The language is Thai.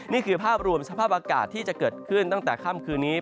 นี่คือภาพรวมสภาพอากาศที่จะเกิดขึ้นตั้งแต่ค่ำคืนนี้